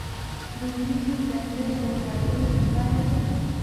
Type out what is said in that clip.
د وریجو ډنډر د څارویو لپاره دی.